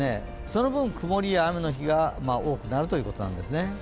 その分、曇りや雨の日が多くなるということなんですね。